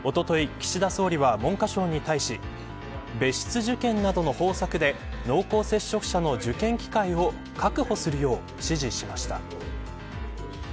岸田総理は文科省に対し別室受験などの方策で濃厚接触者の受験機会を確保するよう指示しました。